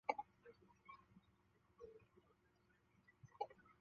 管制由国土交通省大阪航空局下地岛空港事务所航空管制官担当。